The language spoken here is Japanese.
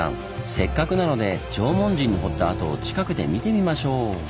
せっかくなので縄文人の掘った跡を近くで見てみましょう！